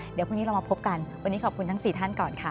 เดี๋ยวพรุ่งนี้เรามาพบกันวันนี้ขอบคุณทั้ง๔ท่านก่อนค่ะ